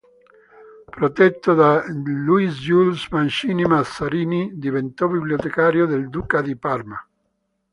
Protetto da Louis-Jules Mancini-Mazarini, diventò bibliotecario del duca di Parma.